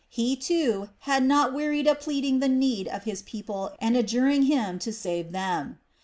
He, too, had not wearied of pleading the need of his people and adjuring him to save them.